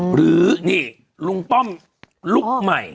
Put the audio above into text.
หรือนี่ลุงป้อมลุคใหม่